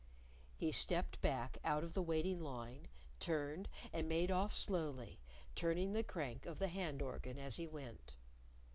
He stepped back out of the waiting line, turned, and made off slowly, turning the crank of the hand organ as he went.